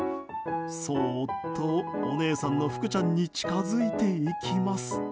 そーっと、お姉さんの福ちゃんに近づいていきます。